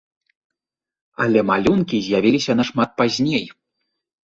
Але малюнкі з'явіліся нашмат пазней.